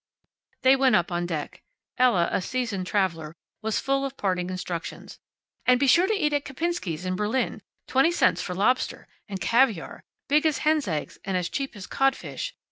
They went up on deck. Ella, a seasoned traveler, was full of parting instructions. "And be sure to eat at Kempinski's, in Berlin. Twenty cents for lobster. And caviar! Big as hen's eggs, and as cheap as codfish.